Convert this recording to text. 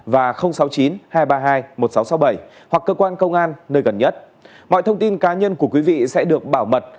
và sáu mươi chín hai trăm ba mươi hai một nghìn sáu trăm sáu mươi bảy hoặc cơ quan công an nơi gần nhất mọi thông tin cá nhân của quý vị sẽ được bảo mật